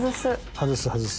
外す外す。